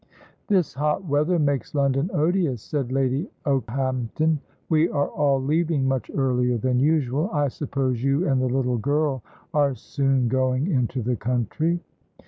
"This hot weather makes London odious," said Lady Okehampton. "We are all leaving much earlier than usual. I suppose you and the little girl are soon going into the country?"